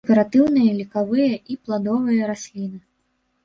Дэкаратыўныя, лекавыя і пладовыя расліны.